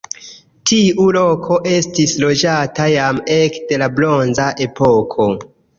Tiu loko estis loĝata jam ekde la bronza epoko.